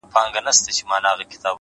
هوډ د شکونو دیوالونه ماتوي,